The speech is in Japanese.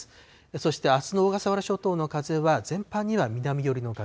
そして、あすの小笠原諸島の風は、全般には南寄りの風。